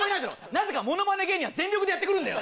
なぜかものまね芸人は全力でやってくるんだよ。